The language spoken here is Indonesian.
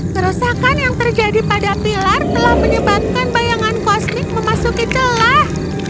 kerusakan yang terjadi pada pilar telah menyebabkan bayangan kosmik memasuki celah